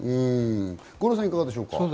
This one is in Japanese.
五郎さん、いかがでしょう？